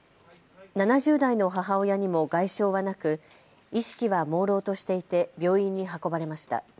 ７０代の母親にも外傷はなく意識はもうろうとしていて病院に運ばれました。